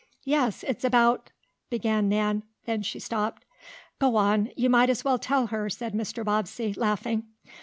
"Yes, it's about " began Nan. Then she stopped. "Go on. You might as well tell her," said Mr. Bobbsey, laughing.